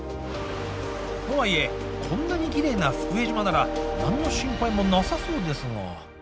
とはいえこんなきれいな福江島ならなんの心配もなさそうですが。